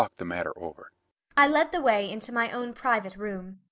I led the way into my own private room.